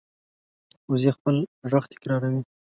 وزې خپل غږ تکراروي